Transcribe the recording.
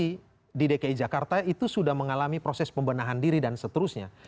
jadi di dki jakarta itu sudah mengalami proses pembenahan diri dan seterusnya